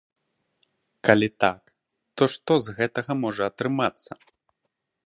Калі так, то што з гэтага можа атрымацца?